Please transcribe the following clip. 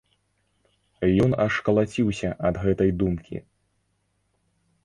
Ён аж калаціўся ад гэтай думкі.